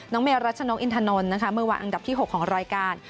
น้องเมลรัชนกอินทานนท์มือวางอันดับที่๖ของรายการ